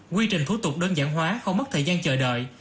quy trình thủ tục đơn giản hóa không mất thời gian chờ đợi